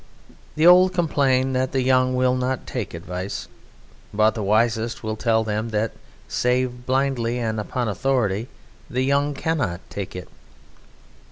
The old complain that the young will not take advice. But the wisest will tell them that, save blindly and upon authority, the young cannot take it.